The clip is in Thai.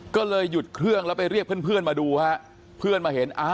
ก็เลยหยุดเครื่องแล้วไปเรียกเพื่อนมาดูฮะเพื่อนมาเห็น